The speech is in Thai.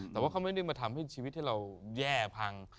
มันไม่ได้ทำชีวิตให้เราแย่พัง